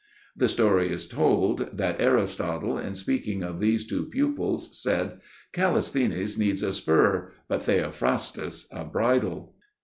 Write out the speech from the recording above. The story is told that Aristotle, in speaking of these two pupils, said: "Callisthenes needs a spur, but Theophrastus, a bridle."